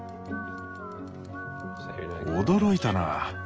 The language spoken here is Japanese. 驚いたな。